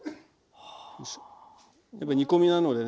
やっぱり煮込みなのでね